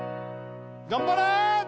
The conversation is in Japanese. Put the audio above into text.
頑張れ！